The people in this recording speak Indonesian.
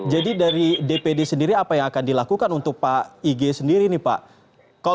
jadi dari dpd sendiri apa yang akan dilakukan untuk pak ig sendiri nih pak